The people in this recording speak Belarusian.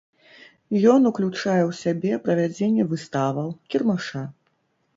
Ён уключае ў сябе правядзенне выставаў, кірмаша.